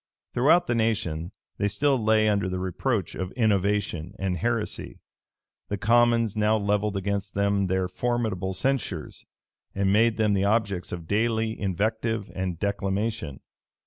Throughout the nation, they still lay under the reproach of innovation and heresy. The commons now levelled against them their formidable censures, and made them the objects of daily invective and declamation.